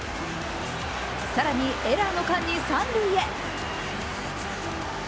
更にエラーの間に三塁へ。